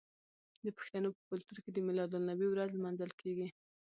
د پښتنو په کلتور کې د میلاد النبي ورځ لمانځل کیږي.